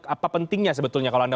apa pentingnya sebetulnya